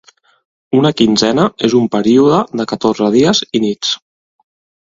Una quinzena és un període de catorze dies i nits